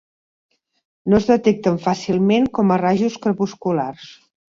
No es detecten fàcilment com a rajos crepusculars.